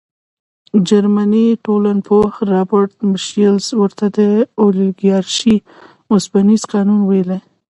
جرمني ټولنپوه رابرټ میشلز ورته د اولیګارشۍ اوسپنیز قانون ویلي.